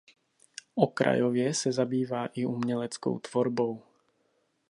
Okrajově se zabývá i uměleckou tvorbou.